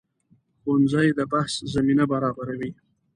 ښوونځی د بحث زمینه برابروي